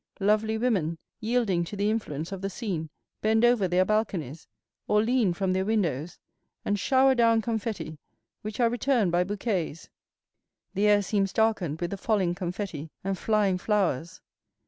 Lovely women, yielding to the influence of the scene, bend over their balconies, or lean from their windows, and shower down confetti, which are returned by bouquets; the air seems darkened with the falling confetti and flying flowers.